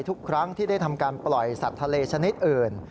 ทุกครั้งที่ได้ทำการปล่อยสัตว์ทะเลชนิดอื่น